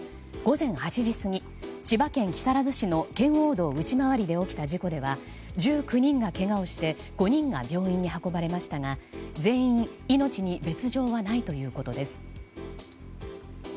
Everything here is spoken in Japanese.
午前８時すぎ、千葉県木更津市の圏央道内回りで起きた事故では１９人がけがをして５人が病院に運ばれましたが全員命に別条はないということです。